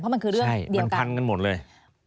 เพราะมันคือเรื่องเดียวกันใช่มันพันกันหมดเลย